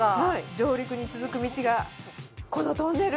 上陸に続く道が、このトンネル。